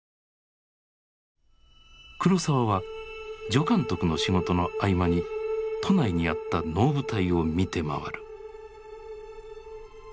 黒澤は助監督の仕事の合間に都内にあった能舞台を見て回る。